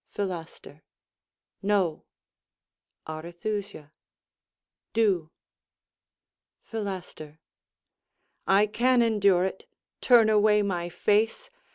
Philaster No. Arethusa Do. Philaster I can endure it. Turn away my face!